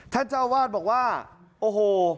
ท่านเจ้าบ้านบอกว่าโอ้โห